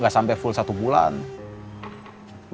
sampai full satu bulan